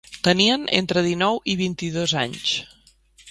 Tenien entre dinou i vint-i-dos anys.